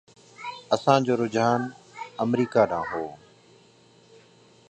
اسان جو رجحان آمريڪا ڏانهن هو.